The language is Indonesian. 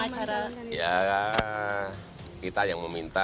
itu royal backend pak yusril yang menjadi pengacara